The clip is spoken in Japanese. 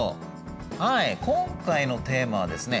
はい今回のテーマはですね